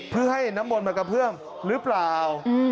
เพื่อให้น้ำมนต์มากระเพื่อมหรือเปล่า